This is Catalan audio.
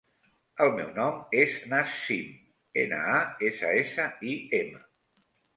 El meu nom és Nassim: ena, a, essa, essa, i, ema.